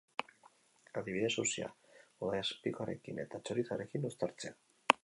Adibidez, sushia urdaiazpikoarekin eta txorizoarekin uztartzea.